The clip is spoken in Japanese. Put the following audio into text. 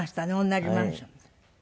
同じマンション。